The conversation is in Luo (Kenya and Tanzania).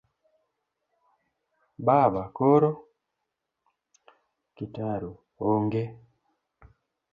Baba:koro? Kitaru: ong'e